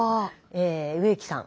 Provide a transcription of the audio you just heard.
え植木さん。